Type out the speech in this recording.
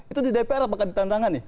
itu di dpr apakah ditandangan nih